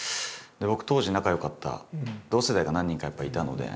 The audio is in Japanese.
僕当時仲よかった同世代が何人かやっぱりいたので同級生が。